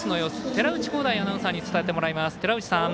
寺内皓大アナウンサーに伝えてもらいます。